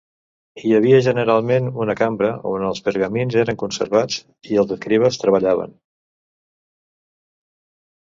Hi havia generalment una cambra on els pergamins eren conservats i els escribes treballaven.